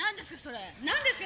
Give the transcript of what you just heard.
何ですか？